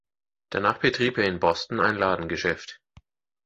Danach betrieb er in Boston ein Ladengeschäft.